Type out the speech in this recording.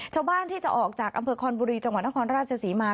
ชาวบ้านที่จะออกจากอำเภอคอนบุรีจังหวัดนครราชศรีมา